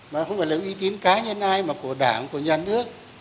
mà không phải là uy tín cá nhân ai mà của đảng của nhà nước